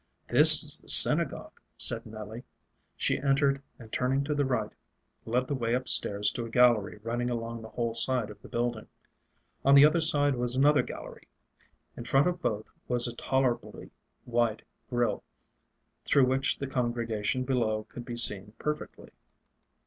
"This is the synagogue," said Nelly. She entered, and turning to the right, led the way up stairs to a gallery running along the whole side of the building. On the other side was another gallery. In front of both was a tolerably wide grill, through which the congregation below could be seen perfectly.